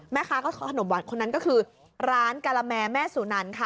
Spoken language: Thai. แม่ค้าก็ขนมหวานคนนั้นก็คือร้านกะละแมแม่สุนันค่ะ